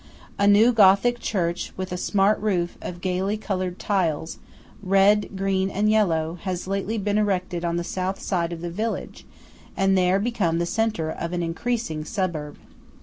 A new Gothic church with a smart roof of gaily coloured tiles, red, green, and yellow, has lately been erected on the South side of the village and there become the centre of an increasing suburb.